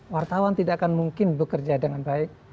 wartawan tidak akan mungkin bekerja dengan baik